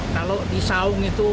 kalau di saung itu